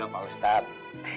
ya udah pak ustadz